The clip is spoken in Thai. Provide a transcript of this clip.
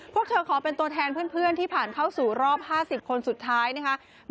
พวกเธอขอเป็นตัวแทนเพื่อนที่ผ่านเข้าสู่รอบ๕๐คนสุดท้ายนะคะ